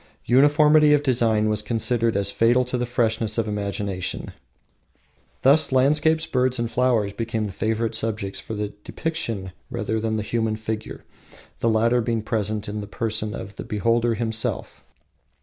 Uniformity of design was considered fatal to the freshness of imagination. Thus, landscapes, birds, and flowers became the favorite subjects for depiction rather than the human figure, the latter being present in the person of the beholder himself.